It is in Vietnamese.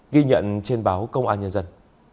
ghi nhận trên báo công an nhân dân